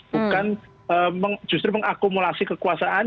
bukan justru mengakumulasi kekuasaan